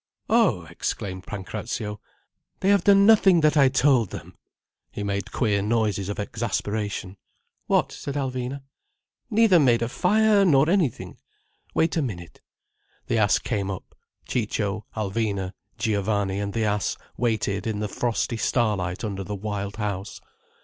"Oh!" exclaimed Pancrazio, "they have done nothing that I told them." He made queer noises of exasperation. "What?" said Alvina. "Neither made a fire nor anything. Wait a minute—" The ass came up. Ciccio, Alvina, Giovanni and the ass waited in the frosty starlight under the wild house.